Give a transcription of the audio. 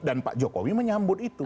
dan pak jokowi menyambut itu